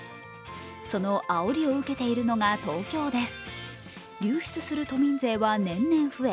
そのあおりを受けているのが東京です。